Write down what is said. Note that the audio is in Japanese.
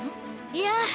いや。